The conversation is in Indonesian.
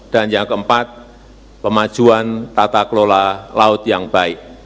dan yang keempat pemajuan tata kelola laut yang baik